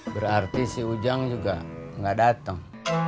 berarti si ujang juga nggak datang